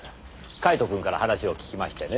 カイトくんから話を聞きましてね。